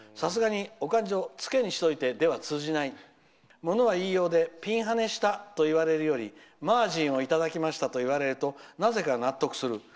さすがにお勘定ツケにしといてでは物は言いようでピンはねしたと言われるよりマージンをいただきましたと言われるとなぜか納得する。